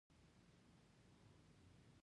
کلونه وروسته په حقایقو پوه شوم.